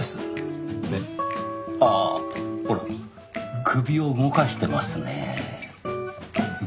ああほら首を動かしてますねぇ。